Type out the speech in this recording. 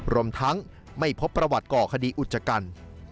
รวมทั้งไม่พบประวัติก่อคดีอุจจกรรม